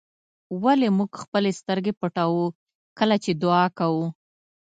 ولې موږ خپلې سترګې پټوو کله چې دعا کوو.